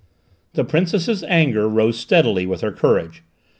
The Princess's anger rose steadily with her courage.